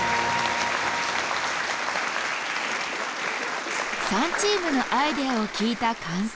３チームのアイデアを聞いた感想は。